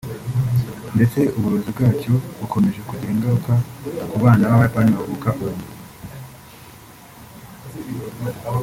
ndetse uburozi bwacyo bukomeje kugira ingaruka ku bana b’abayapani bavuka ubu